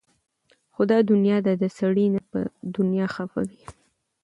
دا خو دنيا ده د سړي نه به دنيا خفه وي